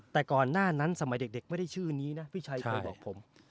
แต่ก่อนหน้านั้นสมัยเด็กไม่ได้ชื่อนี้นะพี่ชัยเคยบอกผม